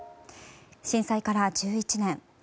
震災から１１年。